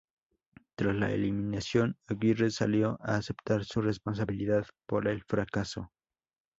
Tras la eliminación, Aguirre salió a aceptar su responsabilidad por el fracaso.